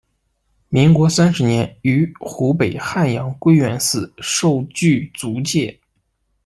民国三十年于湖北汉阳归元寺受具足戒。